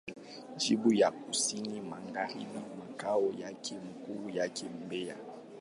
Jimbo la Kusini Magharibi Makao yake makuu yako Mbeya.